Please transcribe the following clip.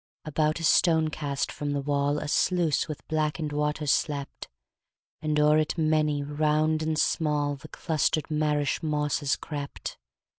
About a stone cast from the wall A sluice with blacken'd waters slept, And o'er it many, round and small, The cluster'd marish mosses crept.